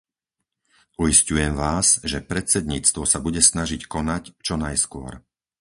Uisťujem vás, že predsedníctvo sa bude snažiť konať, čo najskôr.